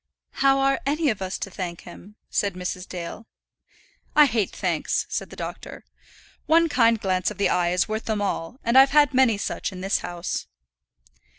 "How are any of us to thank him?" said Mrs. Dale. "I hate thanks," said the doctor. "One kind glance of the eye is worth them all, and I've had many such in this house."